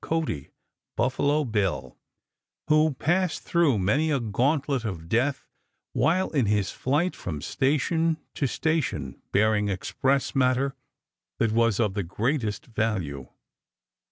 Cody ("Buffalo Bill"), who passed through many a gauntlet of death while in his flight from station to station bearing express matter that was of the greatest value.